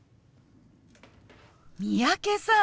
三宅さん